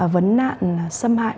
vấn nạn xâm hại